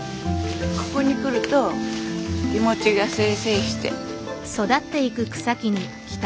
ここに来ると気持ちが清々して。